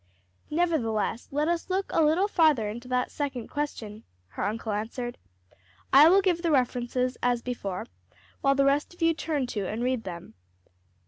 "Nevertheless, let us look a little farther into that second question," her uncle answered. "I will give the references as before, while the rest of you turn to and read them."